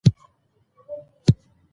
هغوی وویل چې د ملالۍ ږغ آسماني و.